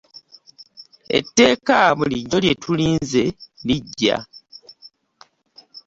Etteeka bulijjo lye tulinze lijja.